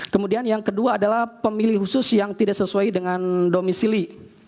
kemudian yang kedua adalah pemilih khusus yang tidak sesuai dengan domisili